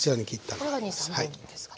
これが２３本分ですかね。